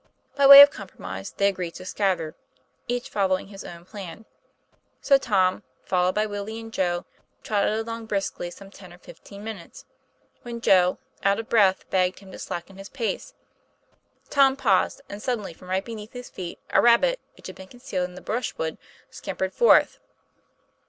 By way of compromise, they agreed to scatter, each following his own plan. So Tom, followed by Willie and Joe, trotted along briskly some ten or fifteen minutes, when Joe, out of breath, begged him to slacken his pace. Tom paused, and suddenly, from right beneath his feet, a rabbit which had been concealed in the brushwood scampered forth.